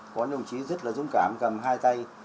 có những ông chí rất là dũng cảm cầm hai tay